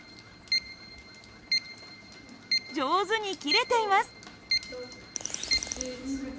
上手に切れています。